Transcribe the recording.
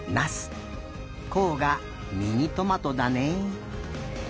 こうがミニトマトだね。